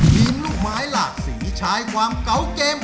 บี๊มรูปไม้หลักศรีชายความเกาะเกม